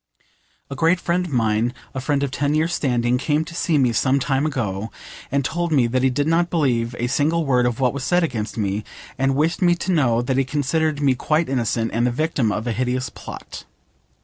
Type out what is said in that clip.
... A great friend of mine a friend of ten years' standing came to see me some time ago, and told me that he did not believe a single word of what was said against me, and wished me to know that he considered me quite innocent, and the victim of a hideous plot.